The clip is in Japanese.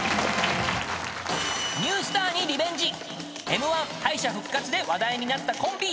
［Ｍ−１敗者復活で話題になったコンビ］